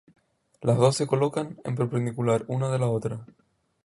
Las dos se colocan en perpendicular una de la otra.